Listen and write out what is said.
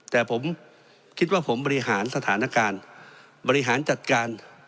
แต่ผมคิดว่าผมบริหารสถานการณ์บริหารจัดการ